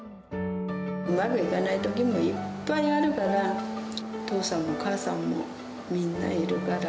うまくいかないときもいっぱいあるから、お父さんもお母さんもみんないるから。